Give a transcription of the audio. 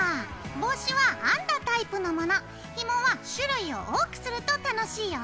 帽子は編んだタイプのものひもは種類を多くすると楽しいよ。